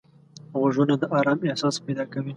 غوږونه د آرام احساس پیدا کوي